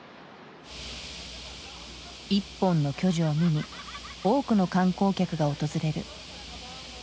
一本の巨樹を見に多くの観光客が訪れる。